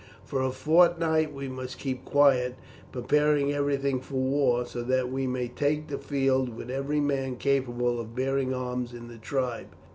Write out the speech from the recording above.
For a fortnight we must keep quiet, preparing everything for war, so that we may take the field with every man capable of bearing arms in the tribe.